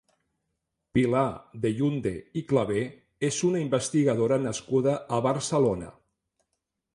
Pilar Dellunde i Clavé és una investigadora nascuda a Barcelona.